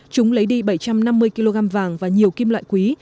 chúng lấy đi bảy trăm năm mươi kg vàng và nhiều kim loại quý